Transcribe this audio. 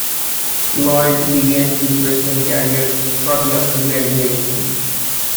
Lloyd began his wrestling career shortly after graduation.